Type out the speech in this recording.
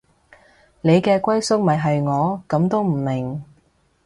你嘅歸宿咪係我，噉都唔明